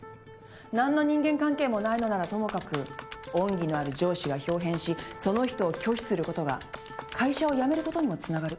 何の人間関係もないのならともかく恩義のある上司が豹変しその人を拒否することが会社を辞めることにもつながる。